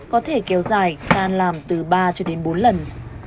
có thể kéo dài tan làm từ ba cho đến bốn lần